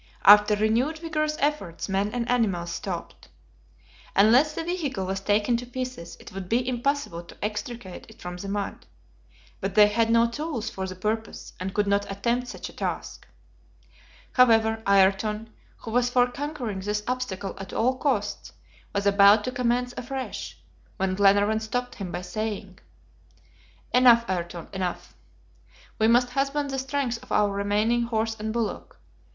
After renewed vigorous efforts, men and animals stopped. Unless the vehicle was taken to pieces, it would be impossible to extricate it from the mud; but they had no tools for the purpose, and could not attempt such a task. However, Ayrton, who was for conquering this obstacle at all costs, was about to commence afresh, when Glenarvan stopped him by saying: "Enough, Ayrton, enough. We must husband the strength of our remaining horse and bullock.